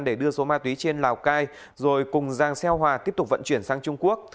để đưa số ma túy trên lào cai rồi cùng giang xeo hòa tiếp tục vận chuyển sang trung quốc